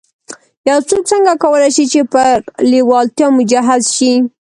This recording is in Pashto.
يو څوک څنګه کولای شي چې پر لېوالتیا مجهز شي.